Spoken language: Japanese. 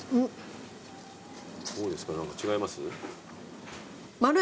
どうですか何か違います？